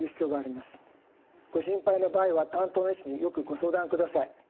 ご心配な場合は担当の医師によくご相談ください。